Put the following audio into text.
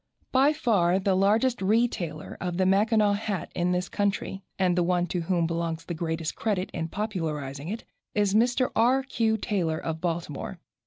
By far the largest retailer of the Mackinaw hat in this country, and the one to whom belongs the greatest credit in popularizing it, is Mr. R. Q. Taylor, of Baltimore.